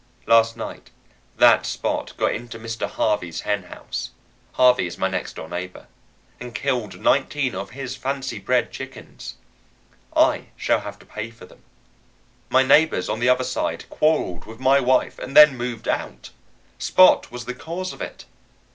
Last night that Spot got into Mr. Harvey's hen house (Harvey is my next door neighbor) and killed nineteen of his fancy bred chickens. I shall have to pay for them. My neighbors on the other side quarreled with my wife and then moved out. Spot was the cause of it.